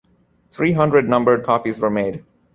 Three hundred numbered copies were made.